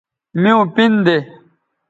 میوں پِن دے